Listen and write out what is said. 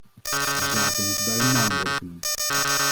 De zaken moeten bij hun naam worden genoemd.